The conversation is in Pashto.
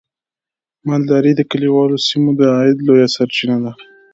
مالداري د کليوالو سیمو د عاید لویه سرچینه ده.